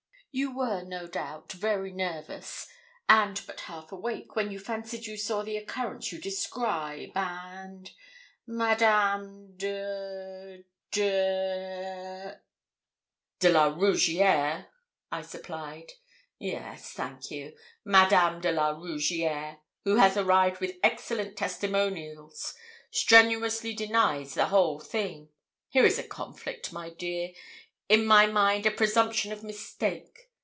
You were, no doubt, very nervous, and but half awake when you fancied you saw the occurrence you describe; and Madame de de ' 'De la Rougierre,' I supplied. 'Yes, thank you Madame de la Rougierre, who has arrived with excellent testimonials, strenuously denies the whole thing. Here is a conflict, my dear in my mind a presumption of mistake.